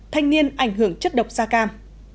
thanh niên ảnh hưởng chất độc da cam